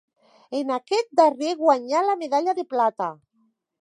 En aquest darrer guanyà la medalla de plata.